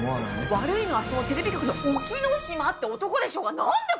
悪いのは、そのテレビ局の沖野島っていう男でしょうが。